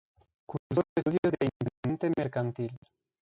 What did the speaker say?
Cursó estudios de Intendente Mercantil.